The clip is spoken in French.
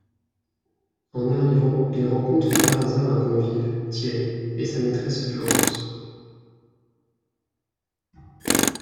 En arrivant, il rencontre par hasard un convive, Thierry, et sa maîtresse Florence.